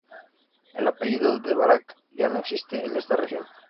El apellido de Barac ya no existe en esta región.